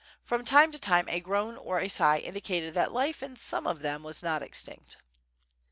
From time to time a groan or a sigh indicated that life in some of them was not extinct.